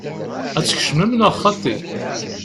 Ad tkecmem neɣ xaṭi?